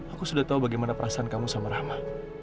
aku sudah tahu bagaimana perasaan kamu sama rahma